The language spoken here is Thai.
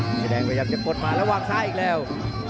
สีแดงพยายามจะกดมาแล้ววางซ้ายอีกแล้ว